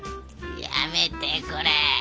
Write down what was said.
やめてくれ。